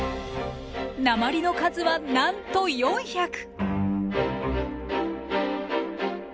鉛の数はなんと４００！